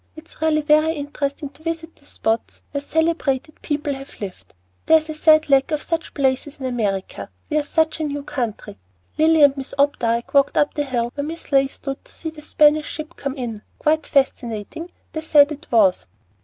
"It's really very interesting to visit the spots where celebrated people have lived. There is a sad lack of such places in America. We are such a new country. Lilly and Miss Opdyke walked up to the hill where Mrs. Leigh stood to see the Spanish ship come in, quite fascinating, they said it was."